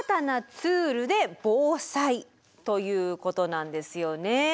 ということなんですよね。